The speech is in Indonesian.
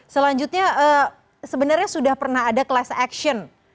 selanjutnya sebenarnya sudah pernah ada class action